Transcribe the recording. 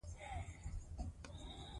ژړک ، ژوند ، ژوندون ، زمری ، زمريالی ، زمرک